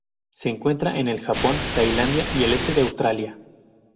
Se encuentra en el Japón, Tailandia y el este de Australia.